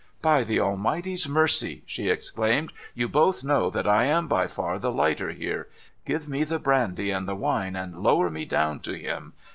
* By the Almighty's mercy !' she exclaimed. ' You both know that I am by far the lightest here. Give me the brandy and the wine, and lower me down to him.